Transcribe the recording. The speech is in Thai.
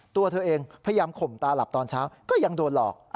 ตัวเธอเองพยายามข่มตาหลับตอนเช้าก็ยังโดนหลอก